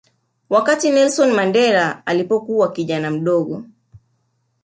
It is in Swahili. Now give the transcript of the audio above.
Wakati Nelson Mandela alipokuwa kijana mdogo